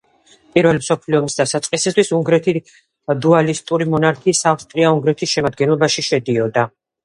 პირველი მსოფლიო ომის დასაწყისისთვის უნგრეთი დუალისტური მონარქიის, ავსტრია-უნგრეთის, შემადგენლობაში შედიოდა.